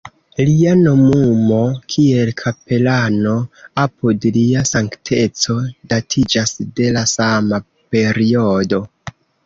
Lia nomumo kiel kapelano apud Lia Sankteco datiĝas de la sama periodo.